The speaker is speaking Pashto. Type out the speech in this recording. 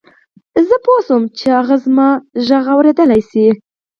زه پوه شوم چې هغه زما غږ اورېدلای شي.